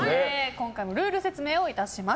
今回もルール説明をします。